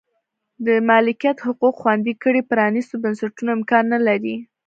د مالکیت حقوق خوندي کړي پرانیستو بنسټونو امکان نه لري.